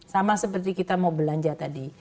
sama seperti kita mau belanja tadi